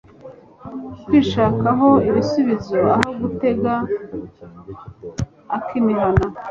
kwishakamo ibisubizo aho gutega ak' imuhana